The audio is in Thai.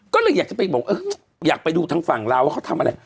ก็เลยอยากจะไปบอกอยากไปดูทางฝั่งลาวว่าเขาทำอะไร